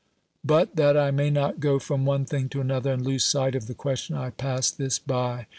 But, that I may not go from one thing to another and lose sight of the question, I pass this by.